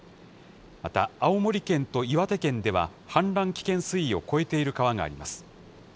また、青森県と岩手県では氾濫危険水位を超えている川があります。